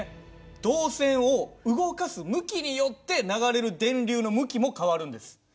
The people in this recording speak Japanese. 導線を動かす向きによって流れる電流の向きも変わるんです。